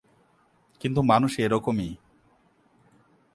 কিন্তু মানুষ এরকমই।